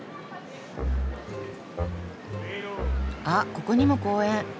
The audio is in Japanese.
あっここにも公園。